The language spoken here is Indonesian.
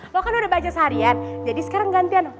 lo kan udah baca seharian jadi sekarang gantian